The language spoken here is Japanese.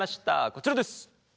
こちらです。